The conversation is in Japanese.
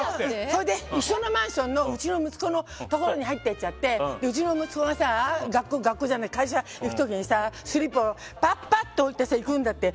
それで一緒のマンションのうちの息子のところに入っていっちゃってうちの息子が会社行く時にスリッパをパッパッと置いて行くんだって。